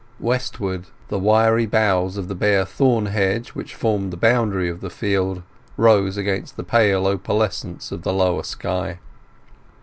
Westward, the wiry boughs of the bare thorn hedge which formed the boundary of the field rose against the pale opalescence of the lower sky.